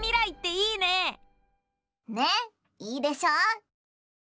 いいでしょう？